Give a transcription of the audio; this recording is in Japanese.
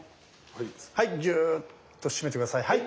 はいギューッと締めて下さい。